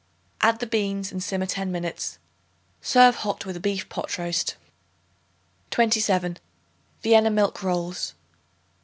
Add the beans and simmer ten minutes. Serve hot with a beef pot roast. 27. Vienna Milk Rolls.